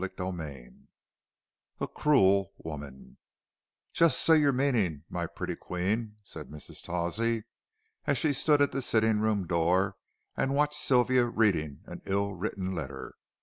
CHAPTER XXV A CRUEL WOMAN "Jus' say your meanin', my pretty queen," said Mrs. Tawsey, as she stood at the sitting room door, and watched Sylvia reading an ill written letter.